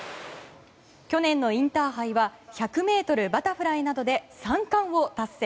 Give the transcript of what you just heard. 去年のインターハイは１００ｍバタフライなどで３冠を達成。